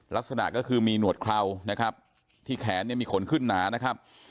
ลักษณะก็คือมีหนวดเครานะครับที่แขนเนี่ยมีขนขึ้นหนานะครับ